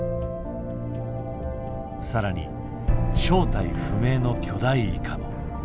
更に正体不明の巨大イカも。